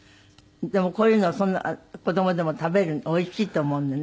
でもこういうのをそんな子供でも食べるおいしいと思うのね。